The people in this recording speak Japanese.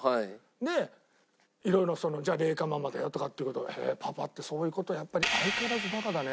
で色々じゃあ「麗華ママだよ」とかっていう事を「へえパパってそういう事やっぱり相変わらずバカだね」